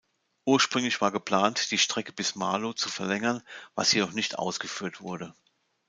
Ursprünglich war geplant, die Strecke bis Marlow zu verlängern, was jedoch nicht ausgeführt wurde.